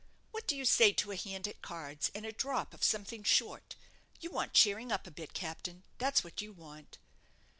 What do you say to a hand at cards, and a drop of something short? You want cheering up a bit, captain; that's what you want."